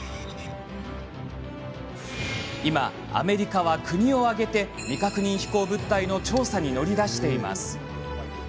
今、アメリカは国を挙げて未確認飛行物体の調査に乗り出しています。